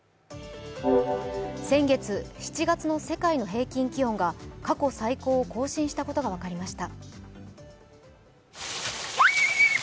先月、７月の世界の平均気温が過去最高を更新したことが分かりました。